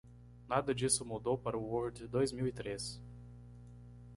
Nada disso mudou para o Word dois mil e três.